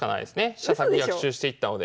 飛車先逆襲していったので。